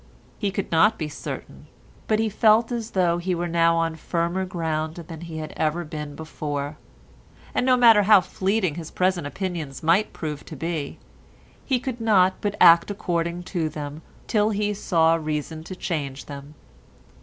He could not be certain, but he felt as though he were now on firmer ground than he had ever been before, and no matter how fleeting his present opinions might prove to be, he could not but act according to them till he saw reason to change them.